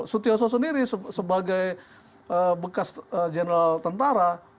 sutioso sendiri sebagai bekas general tentara